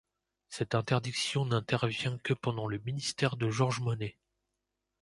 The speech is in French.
Cette interdiction n'intervient que pendant le ministère de Georges Monnet.